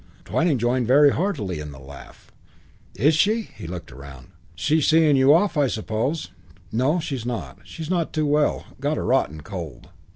Twyning joined very heartily in the laugh. "Is she?" He looked around. "She's seeing you off, I suppose?" "No, she's not. She's not too well. Got a rotten cold."